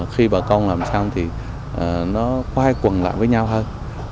khi bà con làm xong thì nó quay quần lại với nhau hơn